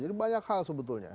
jadi banyak hal sebetulnya